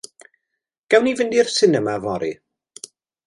Gawn ni fynd i'r sinema yfory?